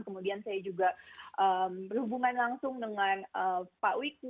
kemudian saya juga berhubungan langsung dengan pak wiku